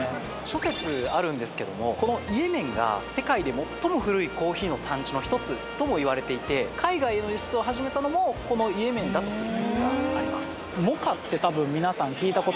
諸説あるんですけどもこのイエメンが世界で最も古いコーヒーの産地の１つともいわれていて海外への輸出を始めたのもこのイエメンだとする説があります